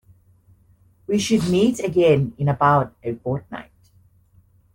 We should meet again in about a fortnight